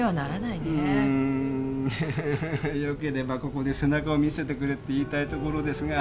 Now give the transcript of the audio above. よければここで背中を見せてくれって言いたいところですが。